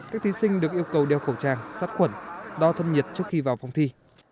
các thí sinh được yêu cầu đeo khẩu trang sát khuẩn đo thân nhiệt trước khi vào phòng thi